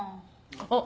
あっ。